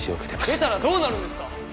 出たらどうなるんですか？